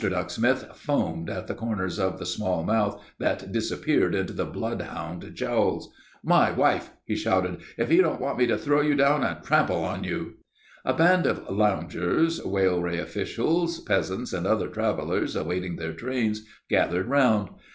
Ducksmith foamed at the corners of the small mouth that disappeared into the bloodhound jowls. "My wife!" he shouted. "If you don't want me to throw you down and trample on you." A band of loungers, railway officials, peasants, and other travellers awaiting their trains, gathered round.